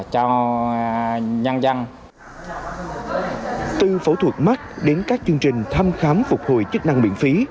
cho nhân dân từ phẫu thuật mắt đến các chương trình thăm khám phục hồi chức năng miễn phí